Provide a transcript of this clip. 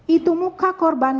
itu muka korban